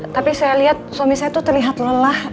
tapi saya lihat suami saya itu terlihat lelah